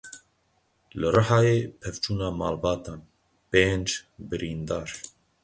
Li Rihayê pevçûna malbatan pênc birîndar.